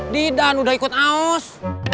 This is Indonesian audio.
di dan udah ikut aus